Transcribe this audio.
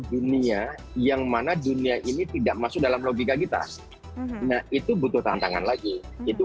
dunia yang mana dunia ini tidak masuk dalam logika kita nah itu butuh tantangan lagi itu